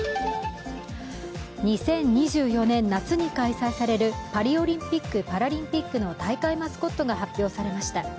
２０２４年夏に開催されるパリオリンピック・パラリンピックの大会マスコットが発表されました。